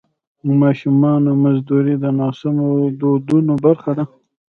د ماشومانو مزدوري د ناسمو دودونو برخه ده.